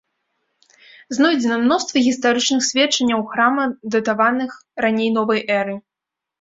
Знойдзена мноства гістарычных сведчанняў храма датаваных раней новай эры.